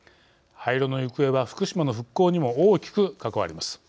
廃炉の行方は福島の復興にも大きく関わります。